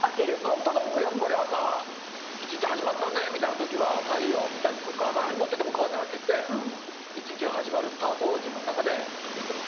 何となくやっぱり朝一日始まったぜみたいな時は太陽を見たりとか曇っててもカーテン開けて一日が始まるスタートを自分の中で決めてます。